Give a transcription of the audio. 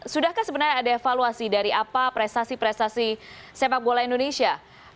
sudahkah sebenarnya ada evaluasi dari apa prestasi prestasi sepak bola indonesia